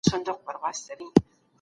نن ورځ د ټولنیز انسجام ټکی کارول کیږي.